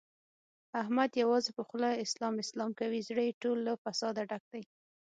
احمد یوازې په خوله اسلام اسلام کوي، زړه یې ټول له فساده ډک دی.